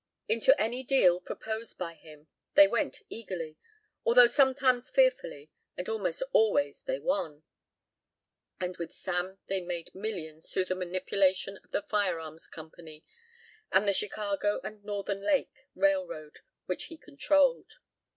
Into any deal proposed by him they went eagerly, although sometimes fearfully, and almost always they won. And with Sam they made millions through the manipulation of the firearms company, and the Chicago and Northern Lake Railroad which he controlled.